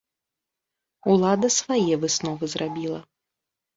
Улада свае высновы зрабіла.